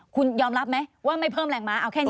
คุณยอมรับไหมว่าไม่เพิ่มแรงม้าเอาแค่นี้